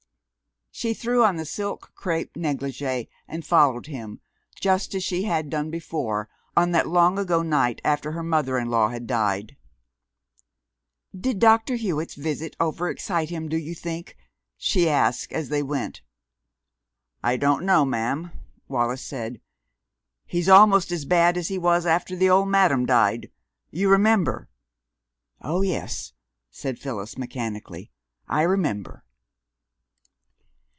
She threw on the silk crepe negligee and followed him, just as she had done before, on that long ago night after her mother in law had died. "Did Dr. Hewitt's visit overexcite him, do you think?" he asked as they went. "I don't know, ma'am," Wallis said. "He's almost as bad as he was after the old madam died you remember?" "Oh, yes," said Phyllis mechanically. "I remember."